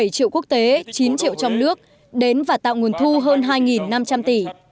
bảy triệu quốc tế chín triệu trong nước đến và tạo nguồn thu hơn hai năm trăm linh tỷ